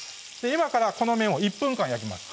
今からこの面を１分間焼きます